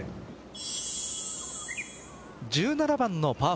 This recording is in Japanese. １７番のパー